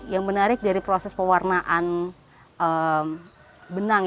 yang menarik dari proses pewarnaan benang